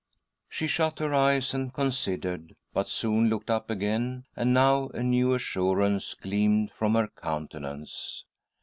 She shut . her eyes and considered, but soon looked up again, and now a new assurance gleamed from her countenance.